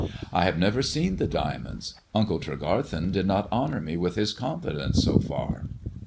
I have never seen the diamonds. Uncle Tregarthen did not honour me with his confidence so far."